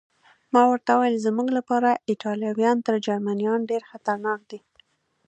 ما ورته وویل: زموږ لپاره ایټالویان تر جرمنیانو ډېر خطرناک دي.